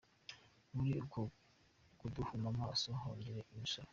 Muri uko kuduhuma amaso, yongera imisoro.